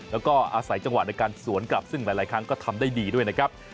แล้วก็อาศัยจังหวะในการสวนกลับซึ่งหลายครั้งก็ทำได้ดีด้วยนะครับ